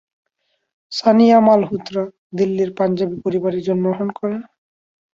সানিয়া মালহোত্রা দিল্লির পাঞ্জাবি পরিবারে জন্মগ্রহণ করেন।